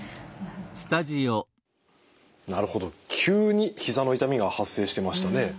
なるほど急にひざの痛みが発生してましたね。